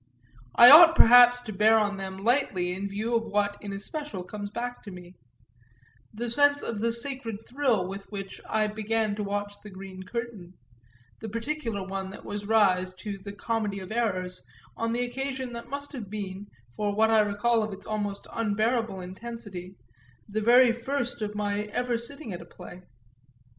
I ought perhaps to bear on them lightly in view of what in especial comes back to me; the sense of the sacred thrill with which I began to watch the green curtain, the particular one that was to rise to The Comedy of Errors on the occasion that must have been, for what I recall of its almost unbearable intensity, the very first of my ever sitting at a play.